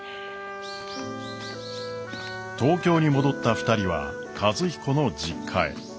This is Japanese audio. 東京に戻った２人は和彦の実家へ。